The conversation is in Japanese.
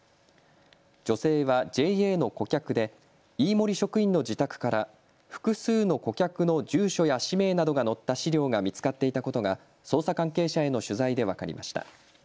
女性はＪＡの顧客で飯盛職員の自宅から複数の顧客の住所や氏名などが載った資料が見つかっていたことが捜査関係者への取材で分かりました。